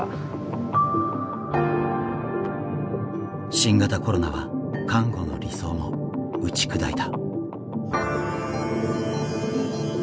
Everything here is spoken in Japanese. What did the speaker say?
新型コロナは看護の理想も打ち砕いた。